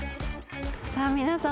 さあ皆さん。